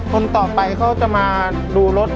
คนต่อไปเขาจะมาดูรถ